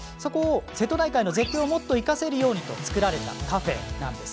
瀬戸内海の絶景をもっと生かせるようにと作られたカフェなんです。